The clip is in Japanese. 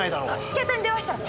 携帯に電話したら？